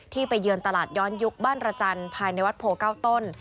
ไปเยือนตลาดย้อนยุคบ้านระจันทร์ภายในวัดโพเก้าต้น